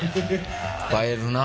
映えるな。